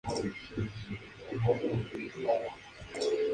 El ingeniero de sonido Keith Harwood fue el encargado de la grabación.